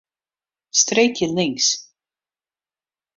Streekje links.